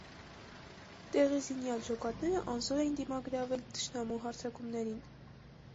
Տեղի զինյալ ջոկատները անզոր էին դիմագրավել թշնամու հարձակումներին։